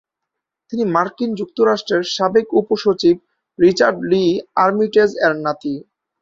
তিনি মার্কিন যুক্তরাষ্ট্রের সাবেক উপ-সচিব রিচার্ড লি আর্মিটেজ-এর নাতি।